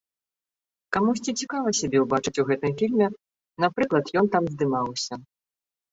Камусьці цікава сябе ўбачыць у гэтым фільме, напрыклад, ён там здымаўся.